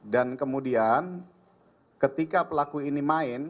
dan kemudian ketika pelaku ini main